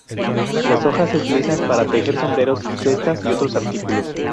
Las hojas se utilizan para tejer sombreros, cestas y otros artículos.